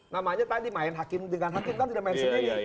namanya tadi main hakim dengan hakim kan tidak main sendiri